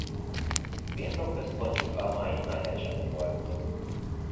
Birtokközpontjuk a mai Nagyecsed volt.